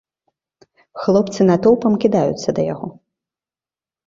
Хлопцы натоўпам кідаюцца да яго.